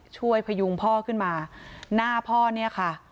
พยุงพ่อขึ้นมาหน้าพ่อเนี่ยค่ะ